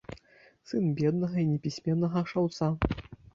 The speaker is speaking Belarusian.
Сын беднага і непісьменнага шаўца.